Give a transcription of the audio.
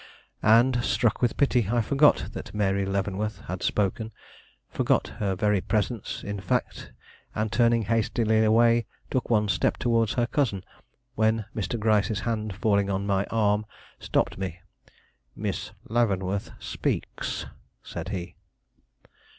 And, struck with pity, I forgot that Mary Leavenworth had spoken, forgot her very presence in fact, and, turning hastily away, took one step toward her cousin, when Mr. Gryce's hand falling on my arm stopped me. "Miss Leavenworth speaks," said he.